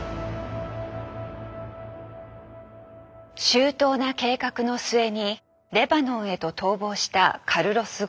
周到な計画の末にレバノンへと逃亡したカルロス・ゴーン。